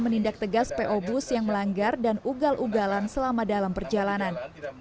menindak tegas po bus yang melanggar dan ugal ugalan selama dalam perjalanan